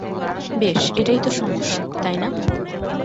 বেশ, এটাই তো সমস্যা, তাই না?